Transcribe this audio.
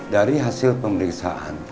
dari hasil pemeriksaan